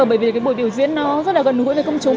bởi vì cái buổi biểu diễn nó rất là gần gũi với công chúng